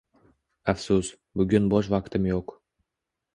Afsus, bugun bo’sh vaqtim yo'q.